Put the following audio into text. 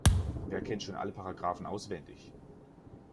Wer kennt schon alle Paragraphen auswendig?